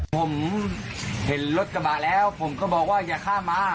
ผมเห็นรถกระบะแล้วผมก็บอกว่าอย่าข้ามมา